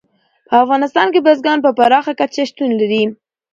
په افغانستان کې بزګان په پراخه کچه شتون لري.